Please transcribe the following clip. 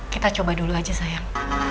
kita coba dulu aja sayang